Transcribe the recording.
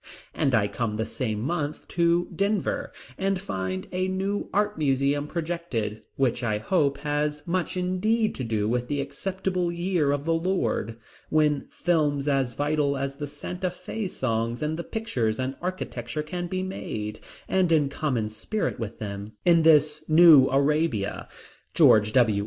And I come the same month to Denver, and find a New Art Museum projected, which I hope has much indeed to do with the Acceptable Year of the Lord, when films as vital as the Santa Fe songs and pictures and architecture can be made, and in common spirit with them, in this New Arabia. George W.